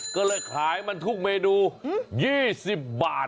ก็เลยขายมันทุกเมนู๒๐บาท